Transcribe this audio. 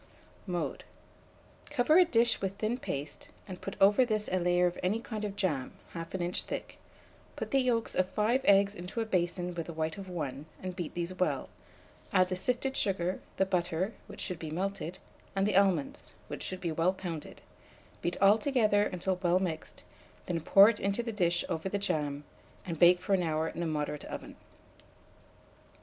Mode. Cover a dish with thin paste, and put over this a layer of any kind of jam, 1/2 inch thick; put the yolks of 5 eggs into a basin with the white of 1, and beat these well; add the sifted sugar, the butter, which should be melted, and the almonds, which should be well pounded; beat all together until well mixed, then pour it into the dish over the jam, and bake for an hour in a moderate oven.